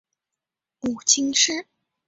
母金氏。